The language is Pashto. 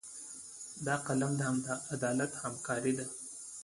قلم د عدالت همکار دی